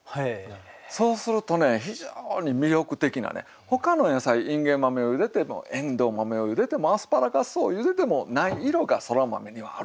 そうするとね非常に魅力的なほかの野菜いんげん豆をゆでてもえんどう豆をゆでてもアスパラガスをゆでてもない色がそら豆にはあるんですよ。